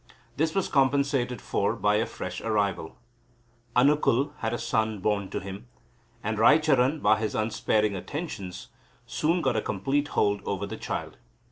This was compensated for by a fresh arrival. Anukul had a son born to him, and Raicharan by his unsparing attentions soon got a complete hold over the child.